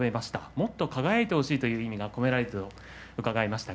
もっと輝いてほしいという意味が込められていると伺いました。